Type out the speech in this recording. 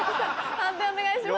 判定お願いします。